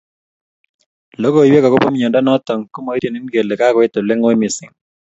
lokoywek akopo miondo noto komaityini kele kakoit olengoi missing